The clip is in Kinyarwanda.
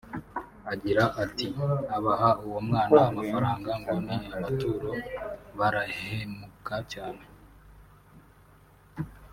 Agira ati “Abaha uwo mwana amafaranga ngo ni amaturo barahemuka cyane